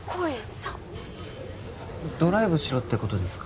そうドライブしろってことですか？